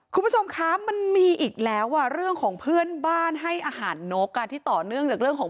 คุณผู้ชมคะมันมีอีกแล้วเรื่องของเพื่อนบ้านให้อาหารนกที่ต่อเนื่องจากเรื่องของ